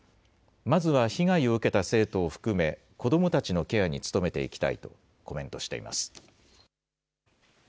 まずは被害を受けた生徒を含め、子どもたちのケアに努めていきたいとコメントしています。